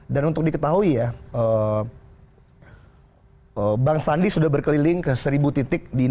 tolong di tolong saran dari icm mengatakan